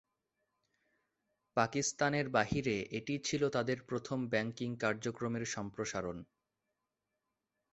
পাকিস্তানের বাহিরে এটিই ছিলো তাদের প্রথম ব্যাংকিং কার্যক্রমের সম্প্রসারণ।